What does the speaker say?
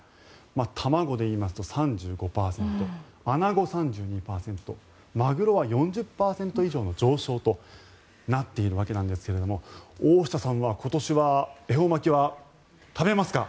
卵で言いますと、３５％アナゴ、３２％マグロは４０％以上の上昇となっているわけですが大下さんは今年は恵方巻きは食べますか？